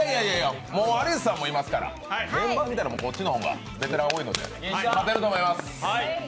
アリスさんもいますからこっちの方がベテランが多いので、勝てると思います。